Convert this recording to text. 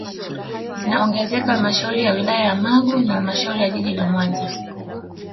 Zinaongezeka halmashauri ya wilaya ya Magu na halmashauri ya jiji la Mwanza